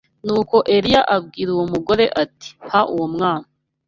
Nuko Eliya abwira uwo mugore ati mpa uwo mwana